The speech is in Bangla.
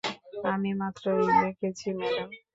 আমি মাত্রই দেখেছি, ম্যাডাম।